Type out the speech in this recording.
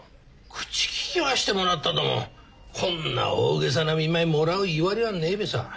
口利きはしてもらったどもこんな大げさな見舞いもらういわれはねえべさ。